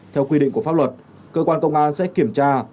theo quy định của pháp luật cơ quan công an sẽ kiểm tra